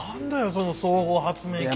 その総合発明企画。